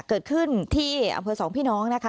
เกิดขึ้นที่อำเภอสองพี่น้องนะคะ